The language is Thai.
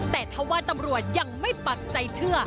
แต่ถ้าว่าตำรวจยังไม่ปักใจเชื่อ